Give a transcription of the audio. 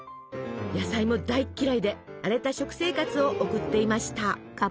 野菜も大嫌いで荒れた食生活を送っていました。